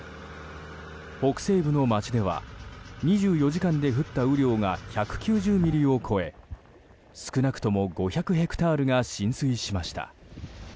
北西部の町では２４時間で降った雨量が１９０ミリを超え少なくとも５００ヘクタールが浸水しました。